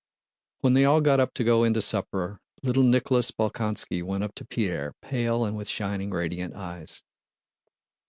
When they all got up to go in to supper, little Nicholas Bolkónski went up to Pierre, pale and with shining, radiant eyes.